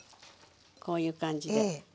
こういう感じではい。